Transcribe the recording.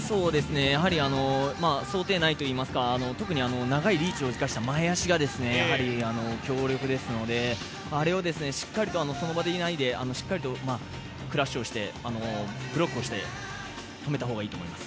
やはり想定内といいますか特に長いリーチを生かした前足がやはり強力ですのであれをしっかりとその場にいないでしっかりとクラッシュしてブロックをして止めたほうがいいと思います。